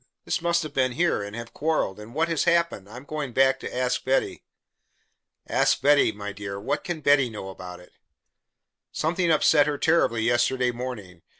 They must have been here and have quarreled and what has happened! I'm going back to ask Betty." "Ask Betty! My dear! What can Betty know about it?" "Something upset her terribly yesterday morning.